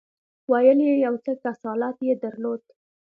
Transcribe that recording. ویل یې یو څه کسالت یې درلود.